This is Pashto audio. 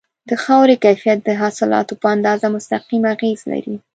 د خاورې کیفیت د حاصلاتو په اندازه مستقیم اغیز لري.